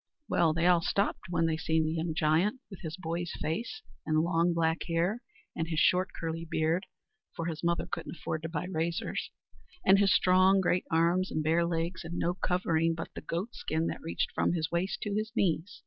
Well, they all stopped when they seen the young giant, with his boy's face, and long black hair, and his short curly beard for his mother couldn't afford to buy razors and his great strong arms, and bare legs, and no covering but the goat skin that reached from his waist to his knees.